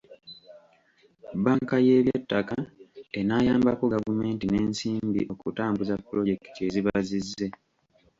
Bbanka y’eby'ettaka enaayambako gavumenti n’ensimbi okutambuza pulojekiti eziba zizze.